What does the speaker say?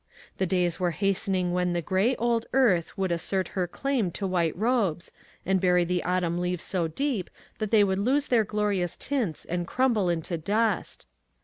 The days were has tening when the gray old earth would as sert her claim to white robes, and bury the autumn leaves so deep that they would lose their glorious tints and crumble into dust.